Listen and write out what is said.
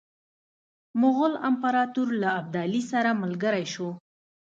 مغول امپراطور له ابدالي سره ملګری شو.